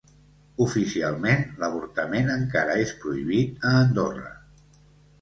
Oficialment, l’avortament encara és prohibit a Andorra.